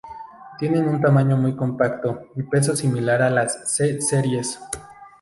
Tienen un tamaño muy compacto y peso similar a las C Series.